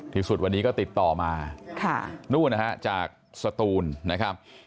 ที่สุดวันนี้ก็ติดต่อมานู่นนะฮะจากสตูนนะครับ